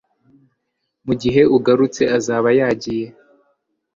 mugihe ugarutse, azaba yagiye